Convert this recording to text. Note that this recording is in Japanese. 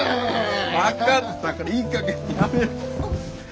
分かったからいいかげんにやめろ。